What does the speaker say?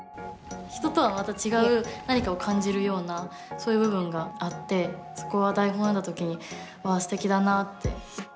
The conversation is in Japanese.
人とはまた違う何かを感じるようなそういう部分があってそこは台本を読んだ時にわあすてきだなって。